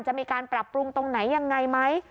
จะมีการปรับปรุงตรงไหนยังไงไหม